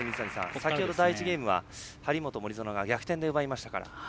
先ほど、第１ゲームは張本、森薗が逆転で奪いましたから。